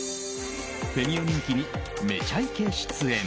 フェミ男人気に「めちゃイケ」出演。